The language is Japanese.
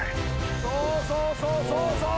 そうそうそうそう。